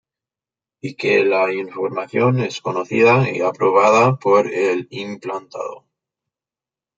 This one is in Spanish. Y que la información es conocida y aprobada por el implantado.